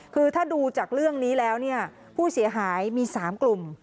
คือถ้าดูจากเรื่องนี้แล้วเนี่ยผู้เสียหายมี๓กลุ่ม